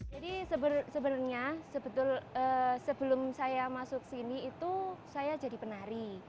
jadi sebenarnya sebelum saya masuk sini itu saya jadi penari